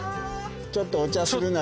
ちょっとお茶するなり。